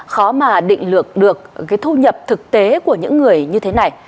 khó mà định lược được cái thu nhập thực tế của những người như thế này